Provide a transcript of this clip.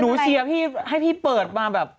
หนูเชียวให้พี่เปิดมาแบบ